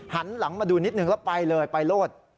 หันหลังมาดูนิดนึงแล้วไปเลยไปโลด